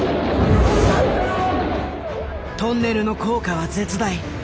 トンネルの効果は絶大。